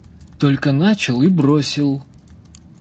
Только начал и бросил.